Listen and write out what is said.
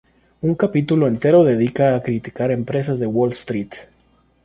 Un capítulo entero dedica a criticar empresas de Wall Street.